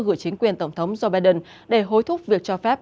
gửi chính quyền tổng thống joe biden để hối thúc việc cho phép